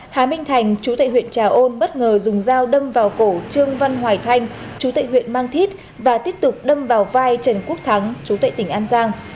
hà minh thành chú tệ huyện trà ôn bất ngờ dùng dao đâm vào cổ trương văn hoài thanh chú tệ huyện mang thít và tiếp tục đâm vào vai trần quốc thắng chú tệ tỉnh an giang